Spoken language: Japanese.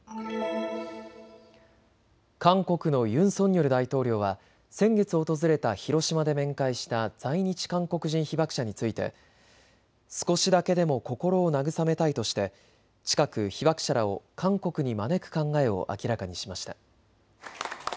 韓国のユン・ソンニョル大統領は先月訪れた広島で面会した在日韓国人被爆者について少しだけでも心を慰めたいとして近く被爆者らを韓国に招く考えを明らかにしました。